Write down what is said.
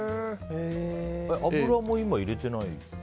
油も入れてない？